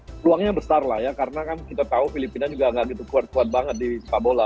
ya peluangnya besar lah ya karena kan kita tahu filipina juga nggak gitu kuat kuat banget di sepak bola